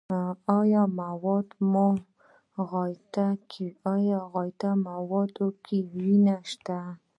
ایا په موادو غایطه کې وینه شته؟